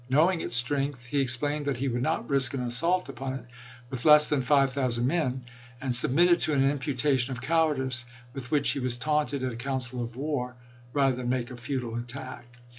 Knowing its strength he explained that he would not risk an assault upon it with less than five thousand men, and submitted to an imputation of cowardice, with which he was taunted at a council of war, rather than make a futile attack.